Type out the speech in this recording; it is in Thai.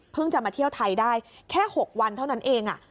จะมาเที่ยวไทยได้แค่๖วันเท่านั้นเอง